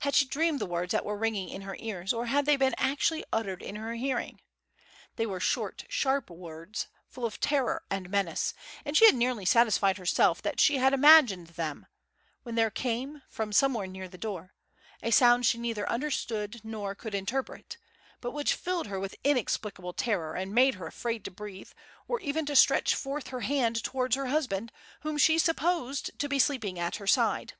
Had she dreamed the words that were ringing in her ears, or had they been actually uttered in her hearing? They were short, sharp words, full of terror and menace, and she had nearly satisfied herself that she had imagined them, when there came, from somewhere near the door, a sound she neither understood nor could interpret, but which filled her with inexplicable terror, and made her afraid to breathe, or even to stretch forth her hand towards her husband, whom she supposed to be sleeping at her side.